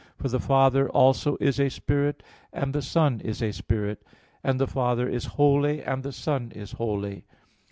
For the Father also is a spirit, and the Son is a spirit; and the Father is holy, and the Son is holy."